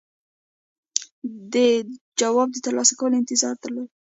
ده د جواب د ترلاسه کولو انتظار درلود.